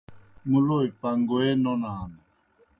مُلوئے پݩگوئے نونان۔